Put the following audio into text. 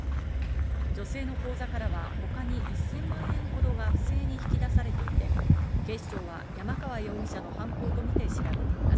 女性の口座からは他に１０００万円ほどが不正に引き出されていて、警視庁は山川容疑者の犯行とみて調べています。